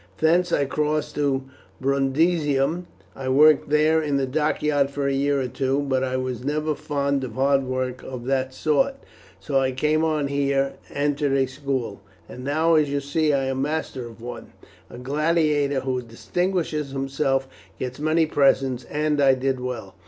Thence I crossed to Brundusium. I worked there in the dockyard for a year or two; but I was never fond of hard work of that sort, so I came on here and entered a school. Now, as you see, I am master of one. A gladiator who distinguishes himself gets many presents, and I did well.